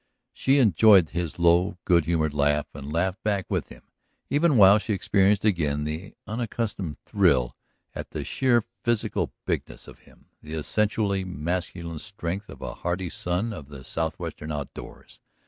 She enjoyed his low, good humored laugh and laughed back with him, even while she experienced again the unaccustomed thrill at the sheer physical bigness of him, the essentially masculine strength of a hardy son of the southwestern outdoors.